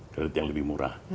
kredit yang lebih murah